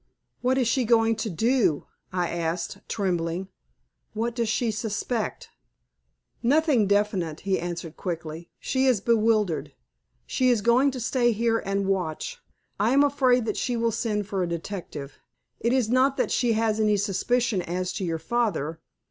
"What is she going to do?" I asked, trembling. "What does she suspect?" "Nothing definite," he answered, quickly. "She is bewildered. She is going to stay here and watch. I am afraid that she will send for a detective. It is not that she has any suspicion as to your father.